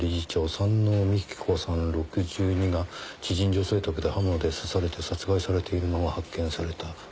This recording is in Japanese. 山王美紀子さん６２が知人女性宅で刃物で刺されて殺害されているのが発見された」